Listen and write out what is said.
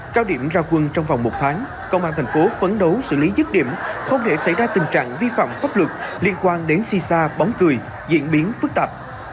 cao điểm ra quân trong vòng một tháng công an thành phố phấn đấu xử lý dứt điểm không để xảy ra tình trạng vi phạm pháp luật liên quan đến si sa bóng cười diễn biến phức tạp